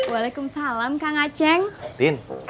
waalaikumsalam kang aceh